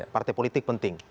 partai politik penting